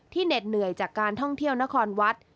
เหน็ดเหนื่อยจากการท่องเที่ยวนครวัด